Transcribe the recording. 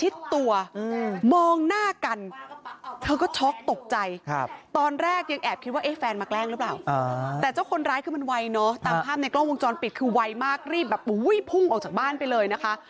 สภาพในกล้องวงจรปิดคือวัยมากรีบแบบอุ๊ยพุ่งออกจากบ้านไปเลยนะคะ